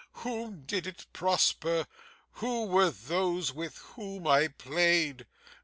Whom did it prosper? Who were those with whom I played?